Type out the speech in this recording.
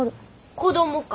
子供か。